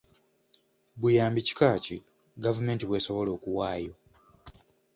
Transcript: Buyambi kika ki, gavumenti bw'esobola okuwaayo?